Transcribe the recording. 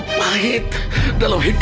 terlalu pahit dalam hidupku